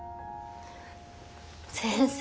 先生。